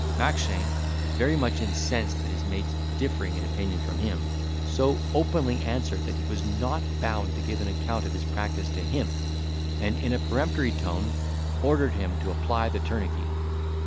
Mackshane, very much incensed at his mate's differing in opinion from him, so openly, answered, that he was not bound to give an account of his practice to him; and in a peremptory tone, ordered him to apply the tourniquet.